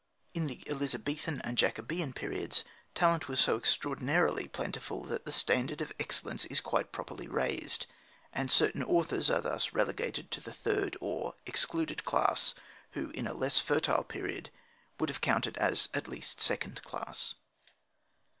In the Elizabethan and Jacobean periods talent was so extraordinarily plentiful that the standard of excellence is quite properly raised, and certain authors are thus relegated to the third, or excluded, class who in a less fertile period would have counted as at least second class.